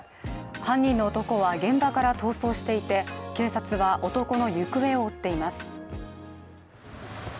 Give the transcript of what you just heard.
犯人の男は現場から逃走していて警察は男の行方を追っています。